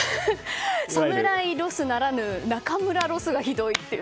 侍ロスならぬ中村ロスがひどいって。